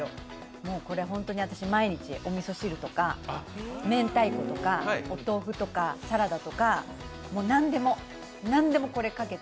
もうこれ私毎日おみそ汁とか明太子とか、お豆腐とかサラダとか、何でもこれをかけて。